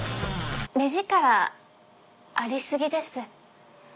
目力ありすぎです。